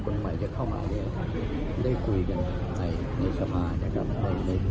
ใครว่าต้องรู้ว่าสมาธิจะอุทธศาสตร์หรือเปล่าหรือเปล่าก่อนใช่ป่ะครับ